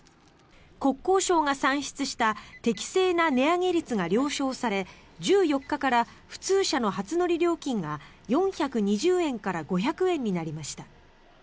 国交省が算出した適正な値上げ率が了承され１４日から普通車の初乗り料金が４２０円から５００円になりました。